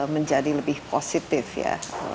menjadi lebih positif ya